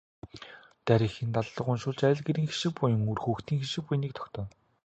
Дарь эхийн даллага уншуулж айл гэрийн хишиг буян, үр хүүхдийн хишиг буяныг тогтооно.